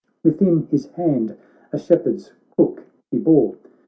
Within his hand a shepherd's crook he bore.